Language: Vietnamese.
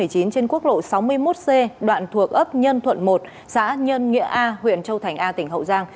trên quốc lộ sáu mươi một c đoạn thuộc ấp nhân thuận một xã nhân nghĩa a huyện châu thành a tỉnh hậu giang